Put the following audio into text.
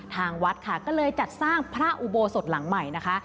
ทางวัดค่ะก็เลยจัดสร้างพระอุโบสถหลังใหม่นะคะ